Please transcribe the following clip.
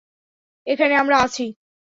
এখানে আমরা আছি।